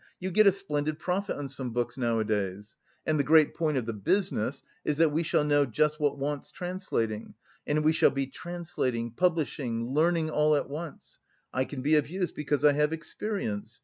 You get a splendid profit on some books nowadays! And the great point of the business is that we shall know just what wants translating, and we shall be translating, publishing, learning all at once. I can be of use because I have experience.